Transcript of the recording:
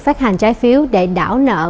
phát hành trái phiếu để đảo nợ